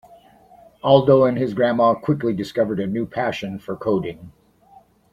Aldo and his grandma quickly discovered a new passion for coding.